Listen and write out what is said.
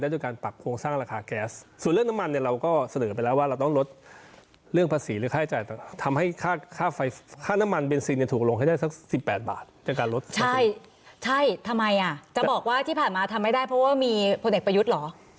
ใช่ทำไมอ่ะจะบอกว่าที่ผ่านมาทำไม่ได้เพราะว่ามีผลเอกประยุทธ์หรอ